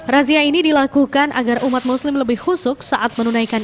razia ini dilakukan agar umat muslim lebih husuk saat menunaikan